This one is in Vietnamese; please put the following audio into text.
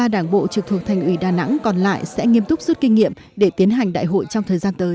ba đảng bộ trực thuộc thành ủy đà nẵng còn lại sẽ nghiêm túc rút kinh nghiệm để tiến hành đại hội trong thời gian tới